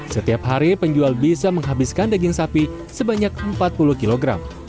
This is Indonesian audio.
setiap hari penjual bisa menghabiskan daging sapi sebanyak empat puluh kg